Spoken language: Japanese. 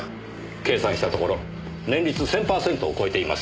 計算したところ年率１０００パーセントを超えています。